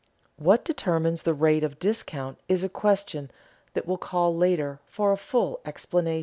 What determines the rate of discount is a question that will call later for a fuller explanation.